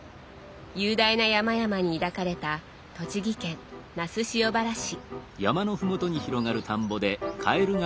雄大な山々に抱かれた栃木県那須塩原市。